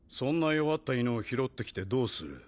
弱った犬を拾ってきてどうする。